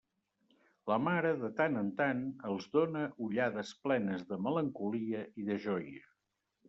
La mare de tant en tant els dóna ullades plenes de melancolia i de joia.